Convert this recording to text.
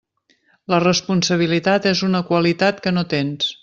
La responsabilitat és una qualitat que no tens.